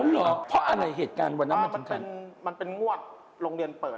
เหรอเพราะอะไรเหตุการณ์วันนั้นมันเป็นงวดโรงเรียนเปิด